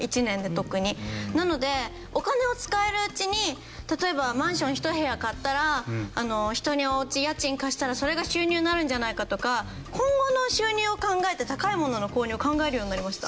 なのでお金を使えるうちに例えばマンション１部屋買ったら人にお家家賃貸したらそれが収入になるんじゃないかとか今後の収入を考えて高いものの購入を考えるようになりました。